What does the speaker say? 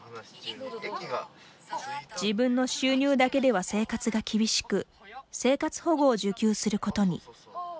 自分の収入だけでは生活が厳しく生活保護を受給することに。